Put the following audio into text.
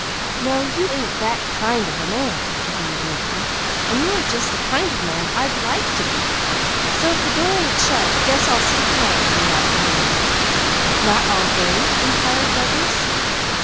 "No you ain't that kind of a man," continued Mickey. "And you are just the kind of a man I'd like to be; so if the door ain't shut, guess I'll stick around afternoons." "Not all day?" inquired Douglas.